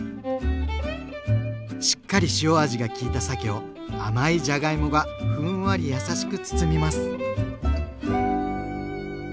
しっかり塩味がきいたさけを甘いじゃがいもがふんわり優しく包みます。